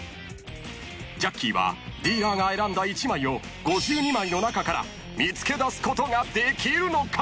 ［ジャッキーはディーラーが選んだ１枚を５２枚の中から見つけ出すことができるのか？］